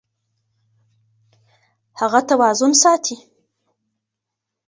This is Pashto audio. هغه توازن ساتي.